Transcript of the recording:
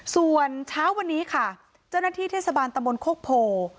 ส่วนเช้าวันนี้ค่ะเจ้าหน้าที่เทศบาลตะมนต์โคกโพ